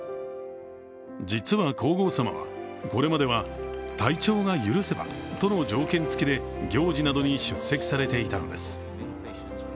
実は、皇后さまは、これまでは体調が許せばとの条件付きで行事などに出席されていたのです。